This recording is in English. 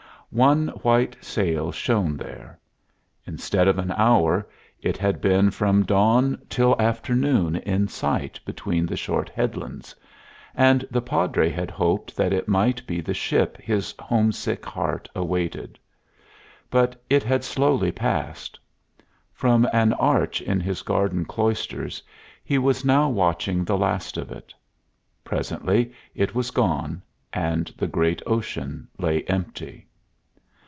One white sail shone there. Instead of an hour, it had been from dawn till afternoon in sight between the short headlands; and the Padre had hoped that it might be the ship his homesick heart awaited. But it had slowly passed. From an arch in his garden cloisters he was now watching the last of it. Presently it was gone, and the great ocean lay empty.